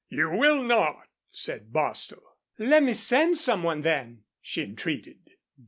"You will not," said Bostil. "Let me send some one, then," she entreated.